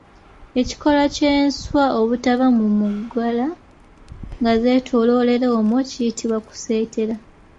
Ekikolwa ky’enswa obutava mu mugala nga zeetooloolera omwo kiyitibwa kuseetera.